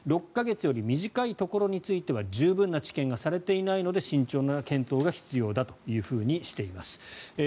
６か月よりも短いところについては十分な治験がされていないので慎重な検討が必要だというふうにしています。